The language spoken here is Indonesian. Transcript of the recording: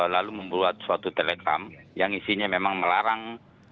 lalu membuat suatu telegram yang isinya memang melarang